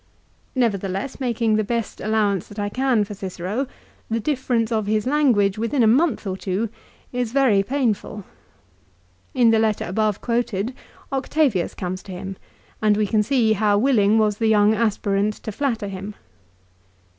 Nevertheless making the best allowance that I can for Cicero, the difference of his language within a month or two is very painful. In the letter above quoted Octavius comes to him, and we can see how willing was the young aspirant to flatter him.